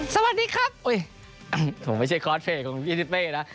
สวัสดีครับโอ้ยผมไม่ใช่ขอร์สเฟย์ของพี่นิดเบ้นะ